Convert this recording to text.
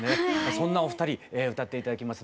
そんなお二人歌って頂きます